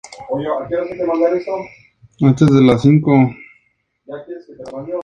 Está situada en la parte centro-norte del Valle de Lecrín.